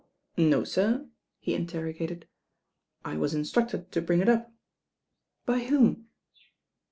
"No, sir?" he interrogated. "I was instructed tn bring it up." "By whom?"